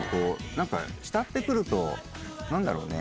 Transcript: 何か慕ってくると何だろうね？